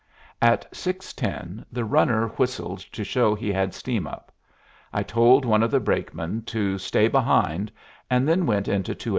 At six ten the runner whistled to show he had steam up. I told one of the brakemen to stay behind, and then went into 218.